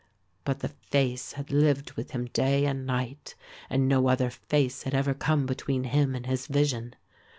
But the face had lived with him day and night, and no other face had ever come between him and his vision.